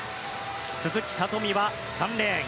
鈴木聡美は３レーン。